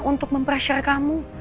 untuk mempressure kamu